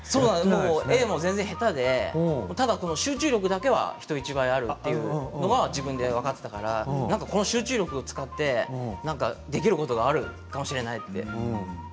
絵が下手でただ集中力だけは人一倍あるというのが自分でも分かっていたのでこの集中力を使ってできることがあるかもしれないと。